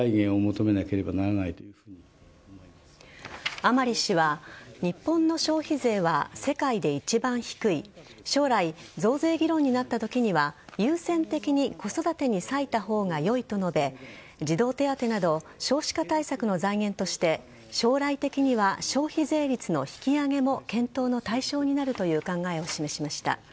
甘利氏は日本の消費税は世界で一番低い将来、増税議論になったときには優先的に子育てに割いた方が良いと述べ児童手当など少子化対策の財源として将来的には消費税率の引き上げも検討の対象になるという考えを示しました。